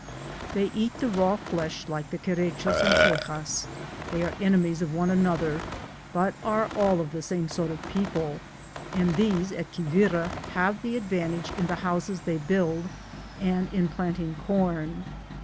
They eat the raw flesh like the Querechos and Teyas ; they are enemies of one another, but are all of the same sort of people, and these at Quivira have the ad vantage in the houses they build and in 217 am Google THE JOURNEY OP CORONADO planting corn.